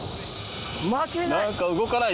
巻けない。